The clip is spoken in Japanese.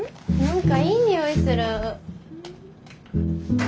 何かいい匂いする。